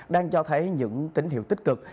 đang cho thấy những tín hiệu tích cực